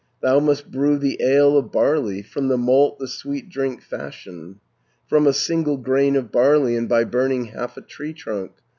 Thou must brew the ale of barley, From the malt the sweet drink fashion, From a single grain of barley, And by burning half a tree trunk.